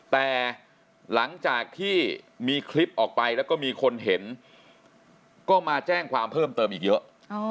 แต่หลังจากที่มีคลิปออกไปแล้วก็มีคนเห็นก็มาแจ้งความเพิ่มเติมอีกเยอะ